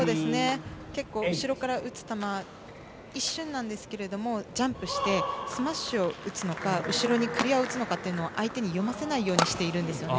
結構、後ろから打つ球一瞬なんですけれどもジャンプしてスマッシュを打つのか後ろにクリアを打つのかというのを相手に読ませないようにしているんですよね。